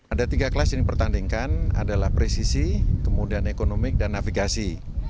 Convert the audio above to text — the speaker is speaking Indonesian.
ada tiga kelas yang dipertandingkan adalah presisi kemudian ekonomi dan navigasi